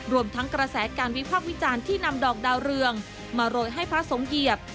รวมทั้งกระแสการวิพากษ์วิจารณ์ที่นำดอกดาวเรืองมาโรยให้พระสงฆ์เหยียบ